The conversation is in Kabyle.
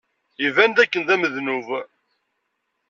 Iban dakken d amednub.